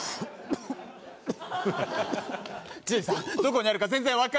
じいさんどこにあるか全然わからない。